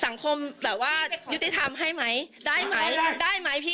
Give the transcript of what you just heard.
สังคมแบบว่ายุติธรรมให้ไหมได้ไหมได้ไหมพี่